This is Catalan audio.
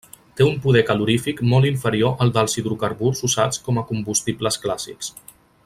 Té un poder calorífic molt inferior al dels hidrocarburs usats com a combustibles clàssics.